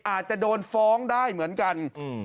อาจจะโดนฟ้องได้เหมือนกัน